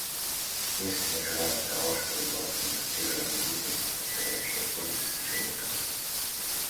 Мы искренне желаем того, чтобы была продемонстрирована гибкость, открывающая путь к достижению консенсуса.